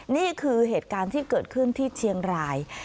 นี่คือเหตุการณ์ที่เกิดขึ้นที่เชียงราย